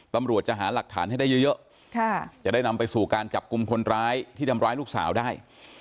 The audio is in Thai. ตำรวจจะหาหลักฐานให้ได้เยอะจะได้นำไปสู่การจับกลุ่มคนร้ายที่ทำร้ายลูกสาวได้